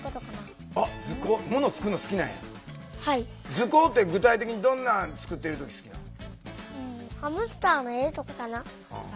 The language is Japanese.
図工って具体的にどんなん作ってる時好きなの？